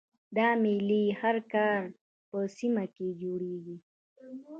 دا میلې هر کال په سیمه کې جوړیږي